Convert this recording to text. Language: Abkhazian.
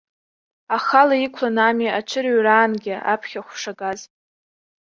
Ахала иқәланы ами аҽырыҩраангьы аԥхьахә шагаз.